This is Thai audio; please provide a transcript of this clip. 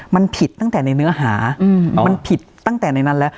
มันผิดตั้งแต่ในเนื้อหามันผิดตั้งแต่ในนั้นแล้ว